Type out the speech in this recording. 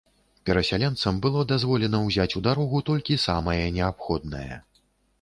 Перасяленцам было дазволена ўзяць у дарогу толькі самае неабходнае.